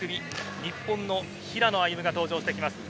日本の平野歩夢が登場してきます。